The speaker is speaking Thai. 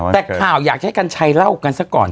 แต่ข่าวอยากจะให้กัญชัยเล่ากันซะก่อน